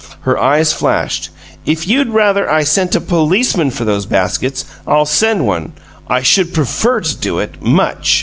Her eyes flashed. "If you'd rather I sent a policeman for those baskets, I'll send one. I should prefer to do it much!